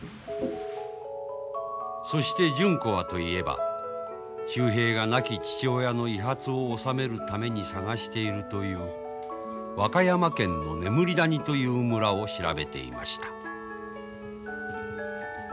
そして純子はといえば秀平が亡き父親の遺髪を納めるために探しているという和歌山県の眠り谷という村を調べていました。